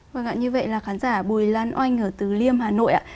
vâng ạ như vậy là khán giả bùi lan oanh ở từ liêm hà nội ạ